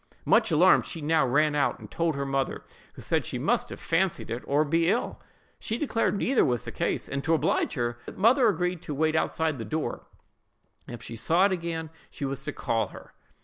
Much alarmed, she now ran out and told her mother, who said she must have fancied it, or be ill. She declared neither was the case; and, to oblige her, the mother agreed to wait outside the door, and if she saw it again, she was to call her.